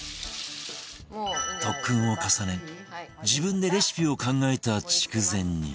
特訓を重ね自分でレシピを考えた筑前煮